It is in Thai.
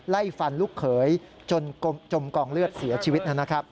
ไล่ฟันลูกเขยจนจมกองเลือดเสียชีวิต